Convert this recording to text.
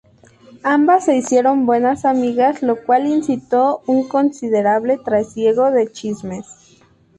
Ambas se hicieron buenas amigas, lo cual incitó un considerable trasiego de chismes.